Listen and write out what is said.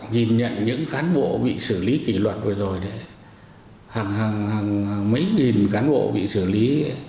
nhìn nhận những cán bộ bị xử lý kỷ luật vừa rồi hàng mấy nghìn cán bộ bị xử lý